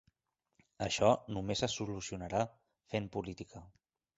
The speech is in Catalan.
Això només se solucionarà fent política.